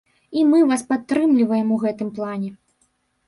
І мы вас падтрымліваем у гэтым плане.